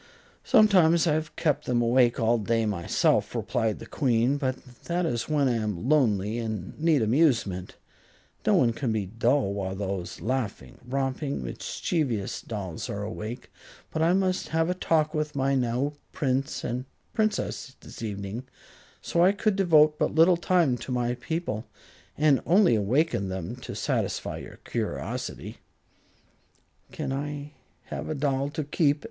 "Sometimes I have kept them awake all day myself," replied the Queen; "but that is when I am lonely and need amusement. No one can be dull while those laughing, romping, mischievous dolls are awake. But I must have a talk with my new Prince and Princess this evening, so I could devote but little time to my people, and only awakened them to satisfy your curiosity." "Can't I have a doll to keep?"